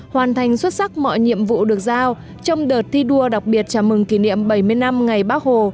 hoàn thành xuất sắc mọi nhiệm vụ được giao trong đợt thi đua đặc biệt chào mừng kỷ niệm bảy mươi năm ngày bác hồ